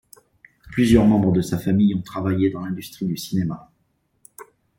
Plusieurs membres de sa famille ont travaillé dans l'industrie du cinéma.